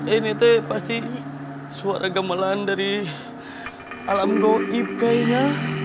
eh ini teh pasti suara gamelan dari alam goib kayaknya